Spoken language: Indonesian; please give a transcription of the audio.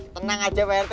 tenang aja pak rt